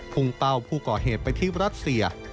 เป้าผู้ก่อเหตุไปที่รัสเซีย